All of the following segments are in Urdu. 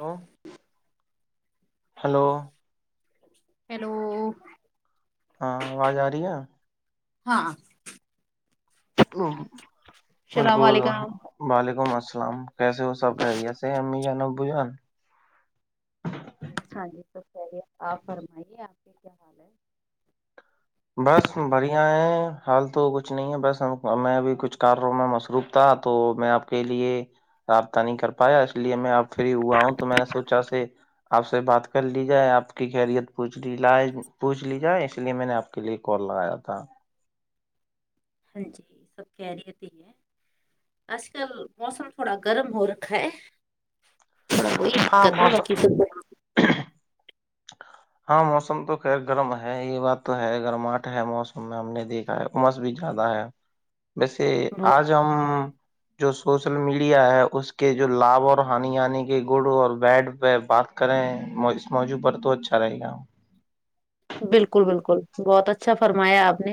ہلو ہلو ہیلو ہاں آواز آ رہی ہے ہاں السلام بالکل علیکم وعلیکم السلام کیسے وہ سب خیریت سے امی جان ابو جان ہاں جی سب خیریت آپ فرمائیے آپ کے کیا حال ہے بس بڑھیا ہے حال تو کچھ نہیں ہے بس میں اب کچھ کاروں میں مصروف تھا تو میں آپ کے لیے رابطہ نہیں کر پایا اس لیے میں اب فری ہوا ہوں تو میں نے سوچا سے آپ سے بات کر لی جائے آپ کی خیریت پوچھ لائے پوچھ لی جائے اس لیے میں نے آپ کے لیے کال لگایا تھا ہاں جی سب خیریت ہی ہے اج کل موسم تھوڑا گرم ہو رکھا ہے ہاں کت موسم ہاں موسم تو خیر گرم ہے یہ بات تو ہے گرماہٹ ہے موسم میں ہم نے دیکھا ہے بھی زیادہ ہے ویسے آج بہت ہم جو سوشل میڈیا ہے اس کے جو لابھ اور ہانی آنی کے گڑ اور بیڈ بات کریں اس موجوع پر تو اچھا رہے گا بالکل بالکل بہت اچھا فرمایا آپ نے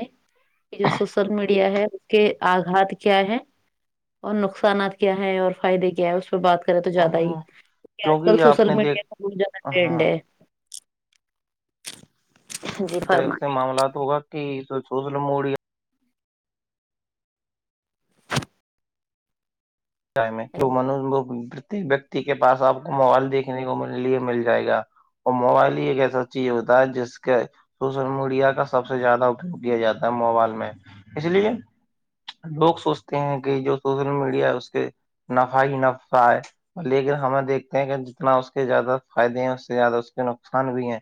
یہ جو سوشل میڈیا ہے اس کے آگات کیا ہے اور نقصانات کیا ہے اور فائدے کیا ہے اس پہ بات کرے تو زیاد ہی ہاں کیک آج کل کیونکہ آپ سوشل نے میڈیا دیکھ کا بہت زیادہ ہاں ٹنڈ ہے جی اس طریقے سے فرمائیے معاملات ہوگا کہ س موڑیا پرتیک ویکتی کے پاس آپ کو موبائل دیکھنے کو م لیے مل جائے گا اور موبائل ہی ایک ایسا چیز ہوتا ہے جس کا سوشل میڈیا کا سب سے زیادہ اپیوگ کیا جاتا ہے موبائل میں اس لیے لوگ سوچتے ہیں کہ جو سوشل میڈیا ہے اس کے نفع ہی نفہ ہے اور لیکن ہمیں دیکھتے ہیں کہ جتنا اس کے زیادہ فائدے ہیں اس سے زیادہ اس کے نقصان بھی ہیں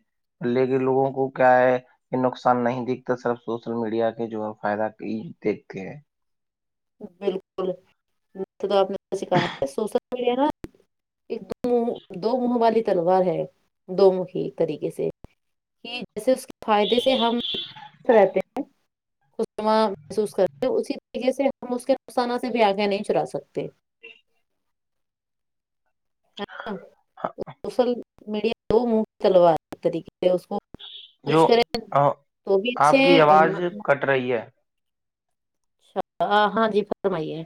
لے کےن لوگوں کو کیا ہے یہ نقصان نہیں دکھتا صرف سوشل میڈیا کے جو ہے فائدہ دیکھتے ہیں بالکل تو آپ نے س کہا ہے سوشل میڈیا نا ایک دو منہ دو منہ والی تلوار ہے دو منکی طریقے سے کہ جیسے اس کے فائدے سے ہمست رہتے ہیں محسوس کرتے اسی طریقے سے ہم اس کے نقصانہ سے بھی آگا نہیں چڑا سکتے سوشل میڈیا دو م چلوا طریقے سے اس کو جو زکریں تو بھی آپ اچھے کی ہیں اور نہ آواز کٹ رہی ہے اچا ہاں جی فرمائیے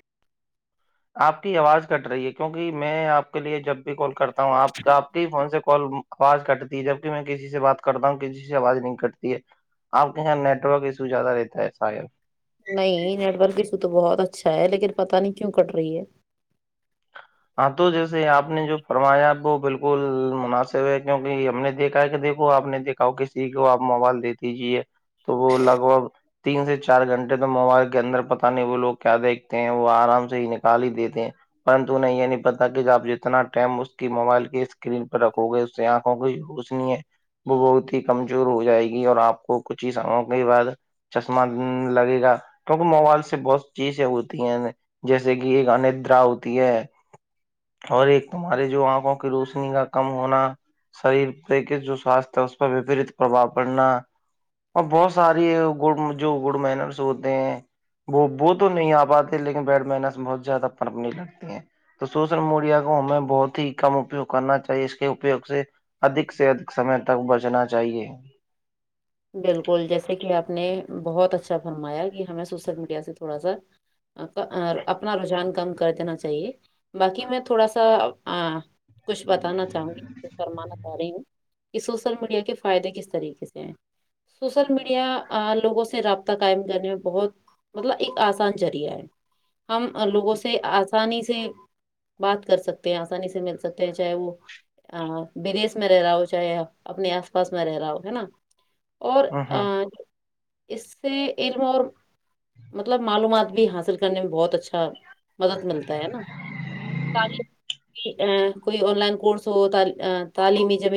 آپ کی آواز کٹ رہی ہے کیونکہ میں آپ کے لیے جب بھی کال کرتا ہوں آپ آپ کے فون سے کال آواز کٹتی ہے جبک میں کسی سے بات کرتا ہوں کسی سے آواز نہیں کٹتی ہے آپ کے یہاں نیٹ ورک ایشو زیادہ رہتا ہے شال نہیں نیٹورک ایشو تو بہت اچھا ہے لیکن پتا نہیں کیوں کٹ رہی ہے ہاں تو جیسے آپ نے جو فرمایا وہ بالکل مناسب ہے کیونکہ ہم نے دیکھا ہے کہ دیکھو آپ نے دیکھا کسی کو آپ موبائل دے دیجیے تو وہ لگ بھگ تین سے چار گھنٹے تو موبائل کے اندر پتہ نہیں وہ لوگ کیا دیکھتے ہیں وہ آرام سے ہی نکال ہی دیتے ہیں توہیں یہ نہیں پتا کہ آپ جتنا ٹم اس کی موبائل کے اسکرین پہ رکھو گے اس سے آنکھوں کو یوز نہیں ہے وہ بہت ہی کمزور ہو جائے گی اور آپ کو کچھ ہی سالوں کے بعد چشمہ لگے گا کیونکہ موبائل سے بہت چیزیں ہوتی ہیں جیسے کہ ایک اندرا ہوتی ہے اور ایک تمہارے جو آنکھوں کی روشنی کا کم ہونا شریر جو سوستھ ہے اس پر وپریت پرباؤ پڑنا اور بہت ساری گ جو گڈ مینرس ہوتے ہیں وہ وہ تو نہیں آ پاتے لیکن بیڈ مینس بہت زیادہ پڑپنے لگتی ہیں تو سوشل میڈیا کو ہمیں بہت ہی کم اپیوگ کرنا چاہیے اس کے اپیوگ سے ادھ سے ادھک سمے تک بچنا چاہیے بالکل جیسے کہ آپ نے بہت اچھا فرمایا کہ ہمیں سوشل میڈیا سے تھوڑا سا اپنا رجحان کم کر دینا چاہیے باقی میں تھوڑا سا کچھ بتانا چاہوں گی فرمانا چاہ رہی ہوں کہ سوسل میڈیا کے فائدے کس طریقے سے ہیں سوشل میڈیا لوگوں سے رابطہ قائم کرنے میں بہت مطلب ایک آسان چذریعہ ہے ہم لوگوں سے آسانی سے بات کر سکتے ہیں آسانی سے مل سکتے ہیں چاہے وہ بدیس میں رہ رہا ہو چاہے اپنے آس پاس میں رہ رہا ہو ہے نا اور اس سے علم اور مطلب معلومات بھی حاصل کرنے میں بہت اچھا مدد ملتا ہے نا ا کوئی آن لائن کورس ہو ت ا تعلیمی زم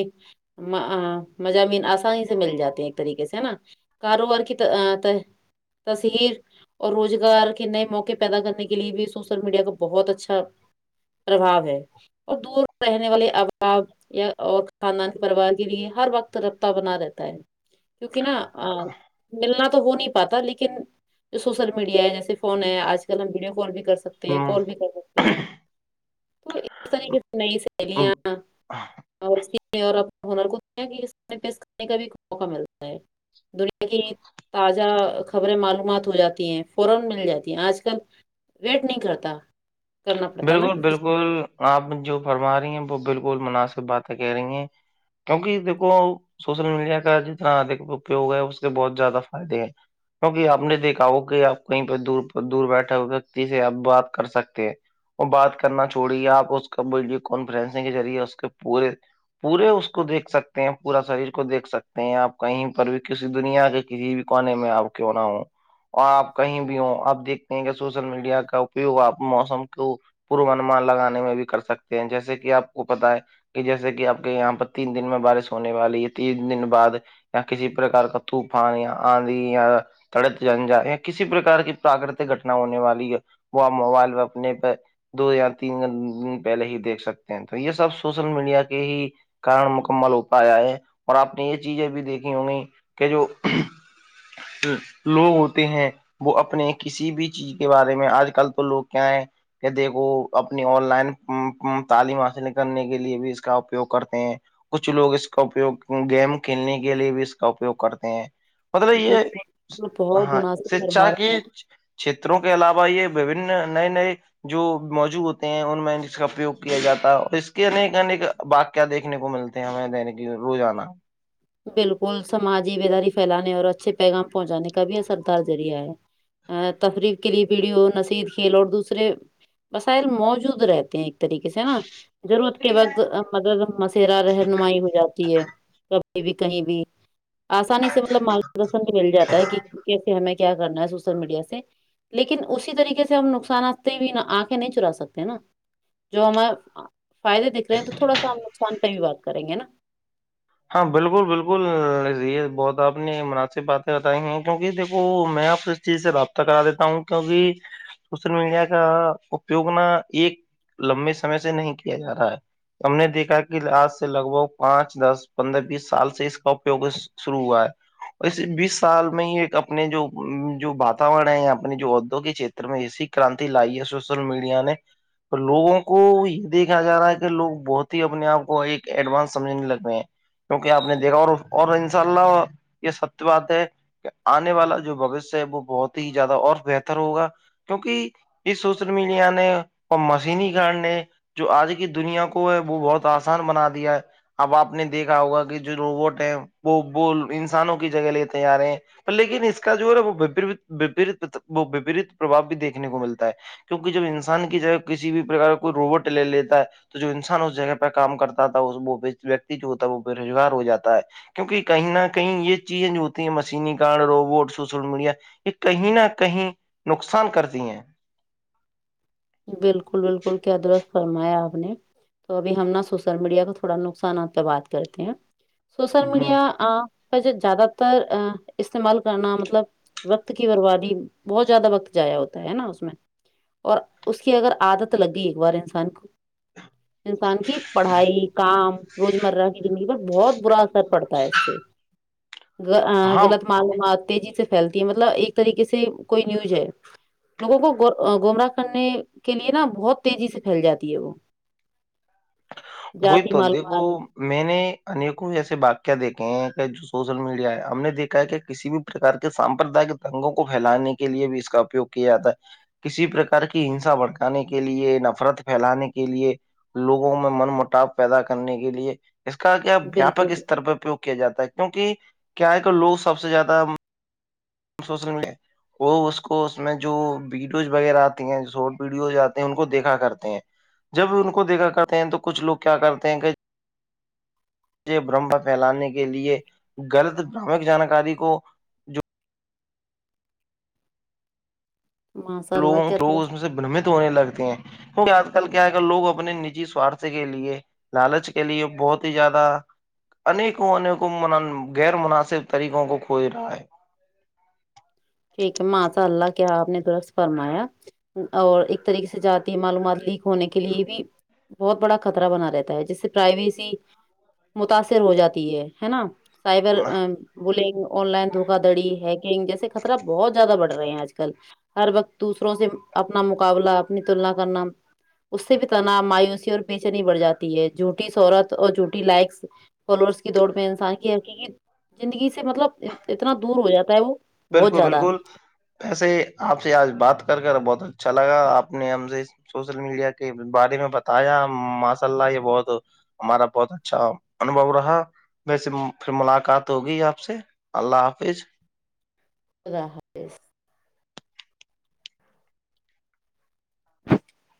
مضامین آسانی سے مل جاتا ایک طریقے سے ہے نا کاروبار کی تصہیر اور روزگار کے نئے موقع پیدا کرنے کے لیے بھی سوشل میڈیا کا بہت اچھا پرباو ہے اور دور رہنے والے ابھاؤ یا اور خاندان پرریوار کے لیے ہر وقت رابطہ بنا رہتا ہے کیونکہ نا ملنا تو ہو نہیں پا لیکن جو سوشل میڈیا ہے جیسے فون ہے آج کل ہم ویڈیو کال بھی کر سکتے سکتے ہیں کال بھی کر سکتے ہیں تو اس طریح کی سے نئی سیلیاں اورر کو کا بھی موقع ملتا ہے دنیا کی اجا خبریں معلومات ہو جاتی ہیں فورا مل جاتی ہیں اج کل ویٹ نہیں کرتا کرنا پڑتا نا بالکل کسی بالکل آپ جو فرما رہی ہیں وہ بالکل مناسب باتیں کہہ رہی ہیں کیونکہ دیکھو سوشل میڈیا کا جتنا اد اپیوگ ہے اس کے بہت زیادہ فائدے ہیں کیکہ آپ نے دیکھا ہو کہ آپ کہیں پہ دور دور بیٹھے ہو وتی سے آپ بات کر سکتے ہیں وہ بات کرنا چوڑیے آپ اس کو ویڈیو کانفرنسنگ کے ذریعے اس کے پورے پورے اس کو دیکھ سکتے ہیں پورا شریر کو دیکھ سکتے ہیں آپ کہیں پر بھی کسی دنیا کے کسی بھی کوان میں آب کیوں نہ ہوں اور آپ کہیں بھی ہ آپ دیکھتے ہیں کہ سوشل میڈیا کا اپیوگ آپ موسم کو پوروانمان لگانے میں بھی کر سکتے ہیں جیسے کہ آپ کو پت ہے کہ جیسے کہ آپ کے یہاں پر تین دن میں بارش ہونے والی تین دن بعد یا کسی پرکار کا تھوپ یا آندھی یا تڑت جنجا یا کسی پرکار کی پراکرتک گٹنا ہونے والی ہے وہ آپ موبائل و اپنے پہ دو یا تین دن پہلے ہی دیکھ سکتے ہیں تو یہ سب سوشل میڈیا کے ہی کن مکمل ہو پایا ہے اور آپ نے یہ چیزیں بھی دیکھی ہو گئی کہ جو لوگ ہوتے ہیں وہ اپنے کسی بھی چیز کے بارے میں آج کل تو لوگ کیا ہے کہ دیکھو اپنی آن لائن تعلیم حاصل کرنے کے لیے بھی اس کا اپیوگ کرتے ہیں کچھ لوگ اس کا اپیوگ گیم کھیلنے کے لیے بھی اس کا اپیوگ کرتے ہیں مطلب چیز پہ یہ بہت ہاں مناسب شکھا فرما کے رہے ہیں چھیتروں کے علاوہ یہ وبن نئے نئے جو موجو ہوتے ہیں ان میں جس کا اپیوگ کیا جاتا ہے اور اس کے انیک انیک باق کیا دیکھنے کو ملتے ہیں ہمیں دنے کی روزانہ بالکل سماجی بیداری پھیلانے اور اچھے پیغام پہنچانے کا بھی اثردار ذریعہ ہے تفریف کے لیے پیڑھی ہو نسیید کھیل اور دوسرے وسائل موجود رہتے ہیں ایک طریقے سے نا ضرورت کے وقت مدد مسیرا رہنمائی ہو جاتی ہے بھی کہیں بھی آسانی سے مطلب مارگ درشن مل جاتا ہے کہ کیسے ہمیں کیا کرنا ہے سوشل میڈیا سے لیکن اسی طریقے سے ہم نقصانات بھی آنکھیں نہیں چرا سکتے نا جو ہمار فائدے دکھ رہے ہیں تو تھوڑا سا ہم نقصان پہ بھی بات کریں گے نا ہاں بالکل بالکل یہ بہت آپ نے مناسب باتیں بتائی ہیں کیونکہ دیکھو میں آپ سے چیز سے رابطہ کرا دیتا ہوں کیوںکہ سوشل میڈیا کا اپیوگ ن ایک لمبے سمے سے نہیں کیا جا رہا ہے ہم نے دیکھا کہ آج سے لگ بھگ پانچ دس پندرہ بیس سال سے اس کا اپیوگ شروع ہوا ہے اور بیس سال میں ہی ایک اپنے جو جو واتاورن ہے اپنے جو ادوگ کے چت ری کرانتی لائی ہے سوشل میڈیا نے تو لوگوں کو یہ دیکھا جا رہا ہے کہ لوگ بہت ہی اپنے آپ کو ایک ایڈوانس سمجھنے لگ رہے ہیں کیونکہ آپ نے دیکھا اور اور ان شاء اللہ یہ سب بات ہے آنے والا جو بگت سے وہ بہت ہی زیادہ اور بہتر ہوگا کیونکہ اس سوچل ملیا نے وہ مسی نہیں کان نے جو آج کی دنیا کو ہے وہ بہت آسان بنا دیا ہے اب آپ نے دیکھا ہوگا کہ جو روبوٹ ہے وہ وہ انسانوں کی جگہ لیتے آ رہے ہیں لیکن اس کا جو ہے نا وہریت وہ وپریت پرباؤ بھی دیکنے کو ملتا ہے کیونکہ جب انسان کی جگہ کسی بھی پرکار کا کوئی روبوٹ لے لیتا ہے تو جو انسان اس جگہ پہ کام کرتا تھا وہ ویکتی جو ہوتا ہے وہ بے روزگار ہو جاتا ہے کیونکہ کہیں نہ کہیں یہ چیزیں جو ہوتی ہیں مشین کانڈ روبوٹ سوشل میڈیا یہ کہیں نہ کہیں نقصان کرتی ہیں بالکل بالکل کیا درست فرمایا آپ نے تو ابھی ہم نا سوشل میڈیا کو تھوڑا نقصانات پہ بات کرتے ہیں سوشل ہ میڈیا پ زیادہ تر ا استعمال کرنا مطلب وقت کی بربادی بہت زیادہ وقت جایا ہوتا ہے نا اس میں اور اس کی اگر عادت لگ گئی ایک بار انسان کو انسان کی پڑھائی کام روزمرہ کی زندگی پر بہت برا اثر پڑتا ہے اس سے ہاں غلط معلومات تیزی سے پھیلتی ہے مطلب ایک طریقے سے کوئی نیوز ہے نگ کو گومرہ کرنے کے لیے نا بہت تیزی سے پھیل جاتی ہے وہ وہی جذات تو دیکھو معلومات میں نے انیکوں ایسے واقع دیکھے ہیں کہ جو سوشل میڈیا ہے ہم نے دیکھا ہے کہ کسی بھی پرار کے سامپرداائک رنگوں کو پھیلانے کے لیے بھی اس کا اپیوگ کیا جاتا ہے کسی پرکار کی ہنسا بھڑکانے کے لیے نفرت پھیلانے کے لیے لوگوں میں من مٹاو پیدا کرنے کے لیے اس کا کیاپ ویاپک بالکل استر پ اپو کیا جاتا ہے کیونکہ کیا ہے کہ لوگ سب سے زیادہ شوسے وہ اس کو اس میں جو ویڈیوز وغیرہ آتی ہیں شارٹ ویڈیوز آتے ہیں ان کو دیکھا کرتے ہیں جب ان کو دیکھا کرتے ہیں تو کچھ لوگ کیا کرتے ہیں کہ برمم پھیلانے کے لیے غلط بامک جانکاری کو جو ماشاء اللہ لوگوں کیا لوگ درست اس میں سے برمت ہونے لگتے ہیں کیونکہ آج کل کیا ہے گ لوگ اپنے نجی سوارت کے لیے لالچ کے لیے بہت ہی زیادہ انیکوں انیکوں غیر مناسب طریقوں کو کھوج رہا ہے ٹھیک ہے ماںساء اللہ کیا آپ نے درخت فرمایا اور ایک طریقے سے جاتی معلومات لیک ہونے کے لیے بھی بہت بڑا خطرہ بنا رہتا ہے جس سے پرائیویسی متاثر ہو جاتی ہے ہے نا سائبر بلگ آن لائن دھوکا دڑی ہیکنگ جیسے خطر بہت زیاد بڑ رہے ہیں آج کل ہر وقت دوسروں سے اپنا مقابلہ اپنی تلنا کرنا اس سے بھی تنا مایوسی اور بیچنیی بڑھ جاتی ہے جھوٹی شہورت اور جھوٹی لائکس فالوورس کی دوڑ میں انسان کی حقیقی زندگی سے مطلب اتنا دور ہو جاتا ہے وہ بہت بالکل زیادہ بالکل ایسے آپ سے آج بات کر کر بہت اچھا لگا آپ نے ہم سے سوشل میڈیا کے بارے میں بتایا ماشاء اللہ یہ بہت ہمارا بہت اچھا انبو رہا ویسے پھر ملاقات ہوگی آپ سے اللہ حافظ خدا حافظ